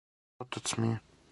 Отац ми је!